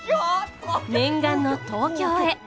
念願の東京へ。